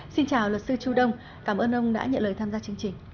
xin chào luật sư chu đông cảm ơn ông đã nhận lời tham gia chương trình